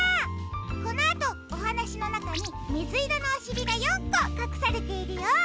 このあとおはなしのなかにみずいろのおしりが４こかくされているよ。